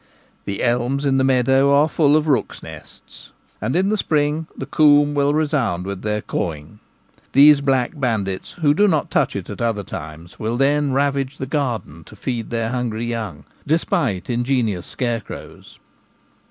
The elms in the meadow are full of rooks' nests, and in the spring the coombe will resound with their cawing ; these black bandits, who do not touch it at other times, will then ravage the garden to feed their hungry young, despite ingenious scarecrows.